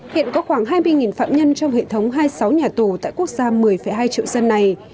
hiện có khoảng hai mươi phạm nhân trong hệ thống hai mươi sáu nhà tù tại quốc gia một mươi hai triệu dân này